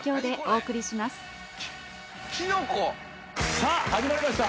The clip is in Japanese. さぁ始まりました